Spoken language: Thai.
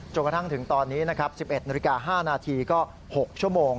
จนกระทั่งถึงตอนนี้นะครับ๑๑๐๕นก็๖ชั่วโมง